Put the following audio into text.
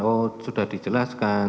oh sudah dijelaskan